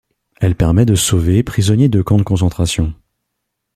Elle permet de sauver prisonniers de camps de concentration.